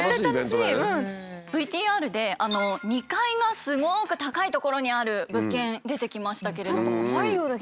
ＶＴＲで２階がすごく高い所にある物件出てきましたけれども。